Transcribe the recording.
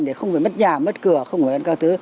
để không phải mất nhà mất cửa không phải các thứ